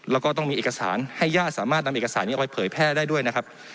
แล้วก็ต้องมีเอกสารให้ญาติสามารถนำเอกสารนี้ไปเผยแพร่ได้ด้วยนะครับ